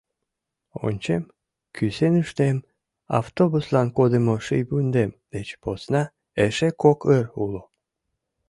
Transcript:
Ончем, кӱсеныштем автобуслан кодымо шийвундем деч посна эше кок ыр уло.